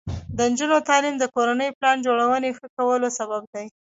د نجونو تعلیم د کورنۍ پلان جوړونې ښه کولو سبب دی.